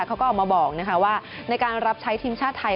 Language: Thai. เขาก็ออกมาบอกว่าในการรับใช้ทีมชาติไทย